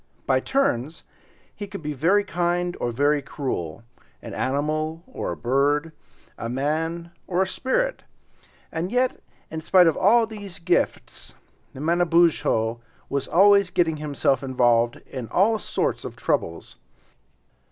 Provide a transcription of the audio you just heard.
By turns he would be very kind or very cruel, an animal or a bird, a man or a spirit, and yet, in spite of all these gifts, Manabozho was always getting himself involved in all sorts of troubles.